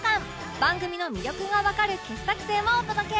番組の魅力がわかる傑作選をお届け